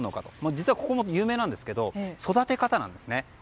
実はここも有名なんですが違いは育て方なんですね。